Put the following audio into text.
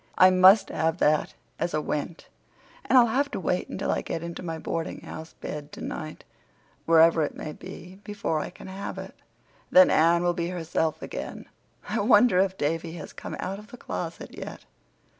I must have that, 'as a went'—and I'll have to wait until I get into my boardinghouse bed tonight, wherever it may be, before I can have it. Then Anne will be herself again. I wonder if Davy has come out of the closet yet."